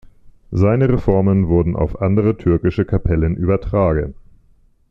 Seine Reformen wurden auf andere türkische Kapellen übertragen.